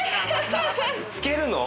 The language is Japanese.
つけるの？